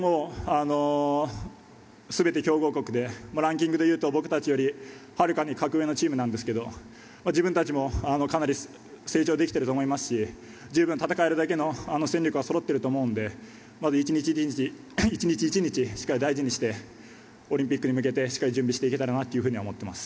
全て強豪国でランキングでいうと僕たちよりはるかに格上のチームですけど自分たちもかなり成長できていると思いますし十分戦えるだけの戦力はそろっていると思いますので１日１日をしっかり大事にしてオリンピックに向けてしっかり準備していけたらなと思っています。